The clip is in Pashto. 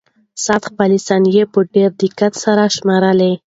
ساعت خپلې ثانیې په ډېر دقت سره شمارلې.